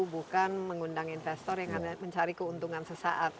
bukan mengundang investor yang mencari keuntungan sesaat